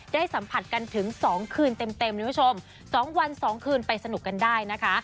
ได้สัมผัสกันถึง๒คืนเต็มคุณผู้ชม๒วัน๒คืนไปสนุกกันได้นะคะ